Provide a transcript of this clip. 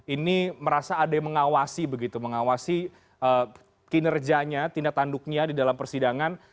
ini merasa ada yang mengawasi begitu mengawasi kinerjanya tindak tanduknya di dalam persidangan